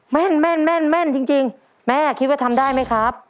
แม่นจริงแม่คิดว่าทำได้ไหมครับ